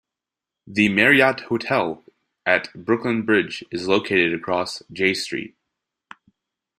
The Marriott Hotel at Brooklyn Bridge is located across Jay Street.